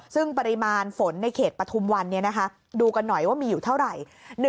ซึ่งปริมาณฝนในเขตปฐุมวันดูกันหน่อยว่ามีอยู่เท่าไหร่